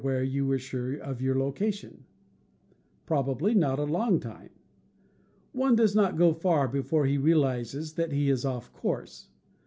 1 .. where you were sure oi your location. Probably not a long time. One does not go far before he realizes that he is off his course.